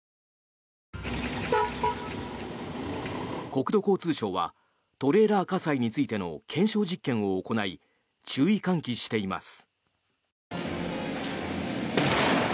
国土交通省はトレーラー火災についての検証実験を行い注意喚起しています。